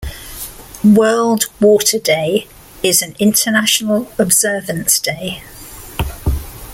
World Water Day is an international observance day.